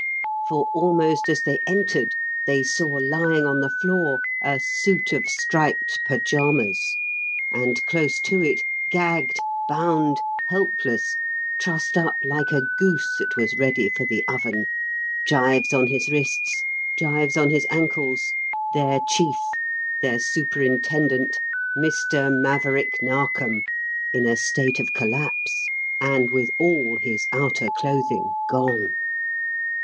For, almost as they entered they saw lying on the floor a suit of striped pyjamas, and close to it, gagged, bound, helpless, trussed up like a goose that was ready for the oven, gyves on his wrists, gyves on his ankles, their chief, their superintendent, Mr. Maverick Narkom, in a state of collapse, and with all his outer clothing gone!